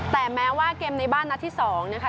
แต่แม้ว่าเกมในบ้านนัดที่๒นะคะ